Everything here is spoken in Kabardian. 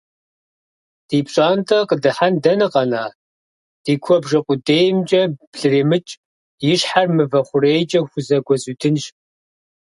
Ди пщӏантӏэ къыдыхьэн дэнэ къэна, ди куэбжэ къудеймкӏэ блыремыкӏ, и щхьэр мывэ хъурейкӏэ хузэгуэзудынщ.